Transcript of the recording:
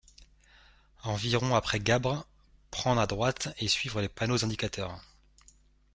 Environ après Gabre, prendre à droite et suivre les panneaux indicateurs.